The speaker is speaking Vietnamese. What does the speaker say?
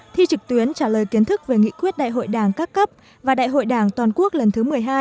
thi trực tuyến trả lời kiến thức về nghị quyết đại hội đảng các cấp và đại hội đảng toàn quốc lần thứ một mươi hai